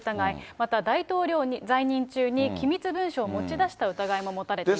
また、大統領在任中に、機密文書を持ち出した疑いも持たれています。